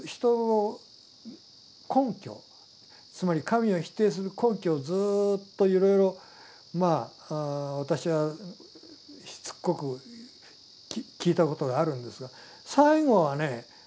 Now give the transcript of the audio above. つまり神を否定する根拠をずっといろいろまあ私はしつこく聞いたことがあるんですが最後はね